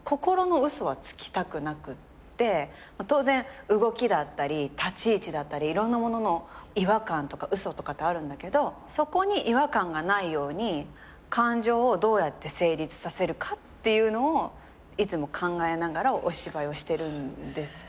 当然動きだったり立ち位置だったりいろんなものの違和感とか嘘とかってあるんだけどそこに違和感がないように感情をどうやって成立させるかっていうのをいつも考えながらお芝居をしてるんですけど。